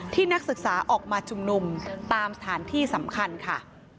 นักศึกษาออกมาชุมนุมตามสถานที่สำคัญค่ะ